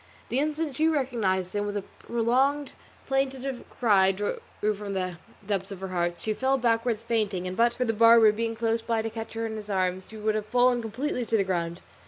The instant she recognised him, with a prolonged plaintive cry drawn from the depths of her heart, she fell backwards fainting, and but for the barber being close by to catch her in his arms, she would have fallen completely to the ground.